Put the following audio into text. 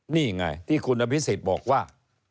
นี่ไงที่คุณนพิษศิษฐ์บอกว่า